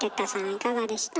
いかがでした？